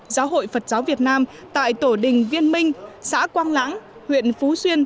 giáo hội phật giáo việt nam tại tổ đình viên minh xã quang lãng huyện phú xuyên